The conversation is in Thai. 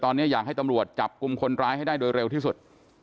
ตอนนี้อยากให้ตำรวจจับกลุ่มคนร้ายให้ได้โดยเร็วที่สุด